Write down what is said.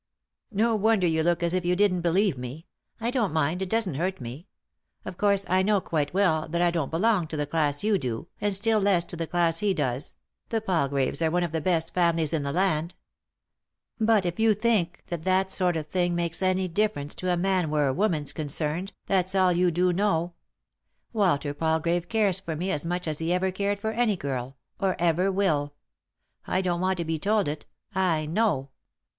" No wonder you look as if you didn't believe me ; I don't mind, it doesn't hurt me. Of course I know quite well that I don't belong to the class you do, and still less to the class he does — the Palgraves are one of the best families in the land. But if you think that that sort of thing makes any difference to a man where a 99 3i 9 iii^d by Google THE INTERRUPTED KISS woman's concerned that's all you do know. Walter Palgrave cares for me as much as he ever cared for any girl, or ever will ; I don't want to be told it ; I know.